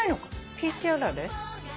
ピーチあられ。